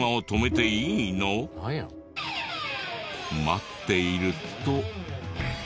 待っていると。